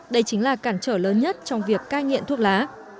đây chính là cản trở lớn nhất trong việc cai nghiện thuốc lá